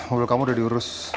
mobil kamu udah diurus